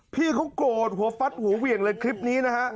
พี่เขาโกรธหัวฟัดหัวเหวี่ยงเลยคลิปนี้นะฮะ